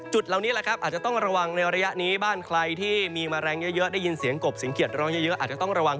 เหล่านี้แหละครับอาจจะต้องระวังในระยะนี้บ้านใครที่มีแมลงเยอะได้ยินเสียงกบเสียงเกียรติร้องเยอะอาจจะต้องระวัง